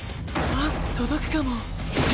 あっ届くかも。